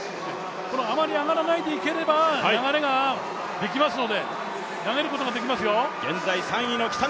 あまり上がらないでいければ、流れができますので、投げることができますよ。